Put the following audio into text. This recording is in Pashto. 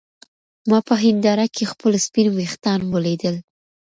ما په هېنداره کې خپل سپین ويښتان ولیدل.